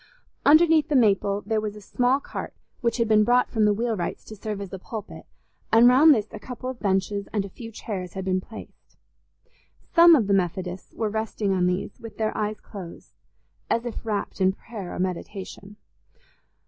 Underneath the maple there was a small cart, which had been brought from the wheelwright's to serve as a pulpit, and round this a couple of benches and a few chairs had been placed. Some of the Methodists were resting on these, with their eyes closed, as if wrapt in prayer or meditation.